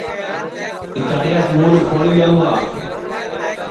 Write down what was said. اِٹاڑِیاس مُوڈؔ پھوڑی دؔیؤں گا